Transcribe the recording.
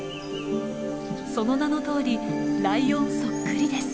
その名のとおりライオンそっくりです。